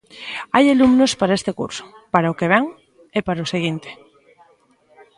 Hai alumnos para este curso, para o que vén e para o seguinte.